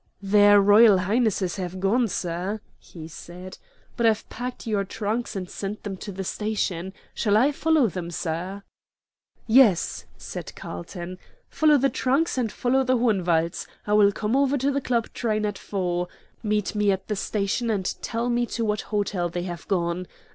"Their Royal Highnesses have gone, sir," he said. "But I've packed your trunks and sent them to the station. Shall I follow them, sir?" "Yes," said Carlton. "Follow the trunks and follow the Hohenwalds. I will come over on the Club train at four. Meet me at the station, and tell me to what hotel they have gone.